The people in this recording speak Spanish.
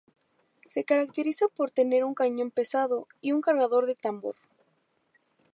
Se caracteriza por tener un cañón pesado y un cargador de tambor.